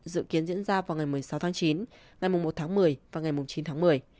dự kiến diễn ra vào ngày một mươi sáu tháng chín ngày một tháng một mươi và ngày chín tháng một mươi